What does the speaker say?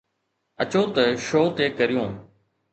اچو ته شو تي ڪريون